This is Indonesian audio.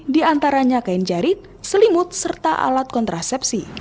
diantaranya kain jarit selimut serta alat kontrasepsi